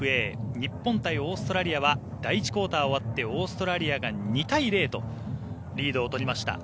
日本対オーストラリアは第１クオーターが終わってオーストラリアが２対０とリードを取りました。